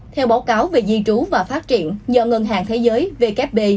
theo báo cáo về di trú và phát triển do ngân hàng thế giới vkp